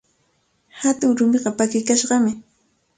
Hatun rumiqa pakikashqami.